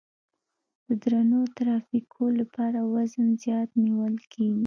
د درنو ترافیکو لپاره وزن زیات نیول کیږي